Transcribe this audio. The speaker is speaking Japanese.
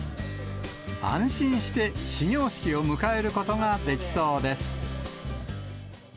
安心して始業式を迎えることができそうです。